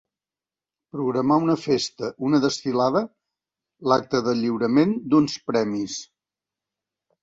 Programar una festa, una desfilada, l'acte de lliurament d'uns premis.